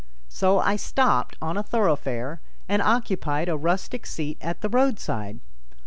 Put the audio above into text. So I stopped on a thoroughfare and occupied a rustic seat at the roadside.